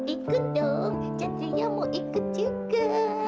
ikut dong jadinya mau ikut juga